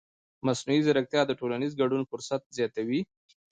مصنوعي ځیرکتیا د ټولنیز ګډون فرصت زیاتوي.